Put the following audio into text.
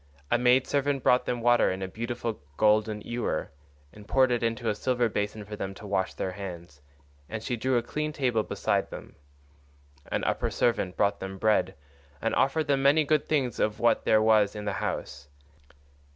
A maid servant brought them water in a beautiful golden ewer, and poured it into a silver basin for them to wash their hands, and she drew a clean table beside them; an upper servant brought them bread and offered them many good things of what there was in the house.